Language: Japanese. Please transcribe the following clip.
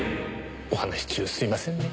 お話し中すいませんね。